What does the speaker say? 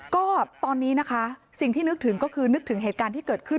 ก็ตอนนี้นะคะสิ่งที่นึกถึงก็คือนึกถึงเหตุการณ์ที่เกิดขึ้น